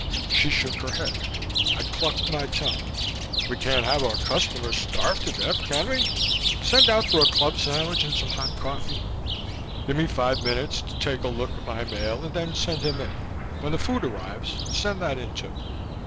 She shook her head. I clucked my tongue. "We can't have our customers starve to death, can we? Send out for a club sandwich and some hot coffee. Give me five minutes to take a look at my mail and then send him in. When the food arrives, send that in, too."